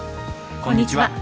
こんにちは。